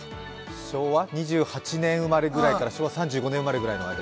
昭和２８年生まれぐらいから昭和３５年生まれぐらいの間？